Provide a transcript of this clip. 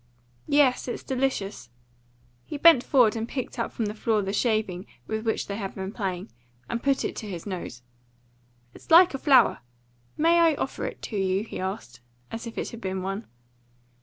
"Yes, it's delicious." He bent forward and picked up from the floor the shaving with which they had been playing, and put it to his nose. "It's like a flower. May I offer it to you?" he asked, as if it had been one.